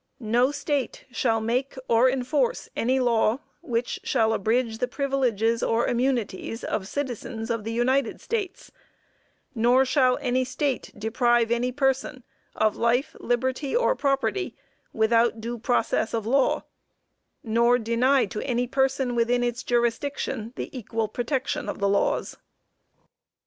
No State shall make or enforce any law which shall abridge the privileges or immunities of citizens of the United States; nor shall any State deprive any person of life, liberty or property, without due process of law, nor deny to any person within its jurisdiction the equal protection of the laws."